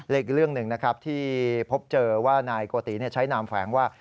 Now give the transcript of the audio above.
เลขเรื่องหนึ่งที่พบเจอว่านายโกติใช้นามแขวงว่า